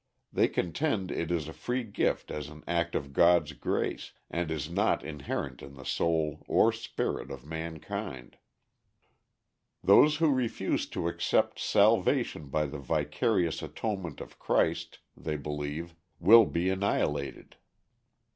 They contend it is a free gift as an act of God's grace and is not inherent in the soul or spirit of mankind. Those who refuse to accept salvation by the vicarious atonement of Christ, they believe, will be annihilated.